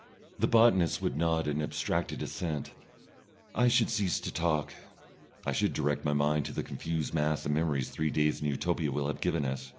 The botanist would nod an abstracted assent. I should cease to talk. I should direct my mind to the confused mass of memories three days in Utopia will have given us.